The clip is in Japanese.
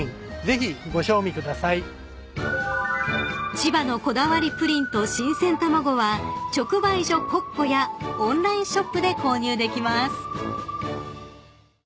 ［ちばのこだわりプリンと新鮮卵は直売所Ｋｏｋｋｏやオンラインショップで購入できます］